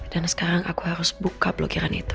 dan sekarang aku harus buka blokiran itu